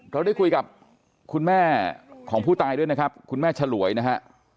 เราได้คุยกับคุณแม่ของผู้ตายด้วยนะครับคุณแม่ฉลวยนะฮะ